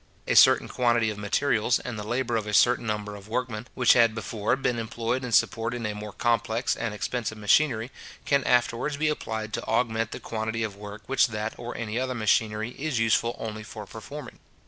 A certain quantity of materials, and the labour of a certain number of workmen, which had before been employed in supporting a more complex and expensive machinery, can afterwards be applied to augment the quantity of work which that or any other machinery is useful only for performing.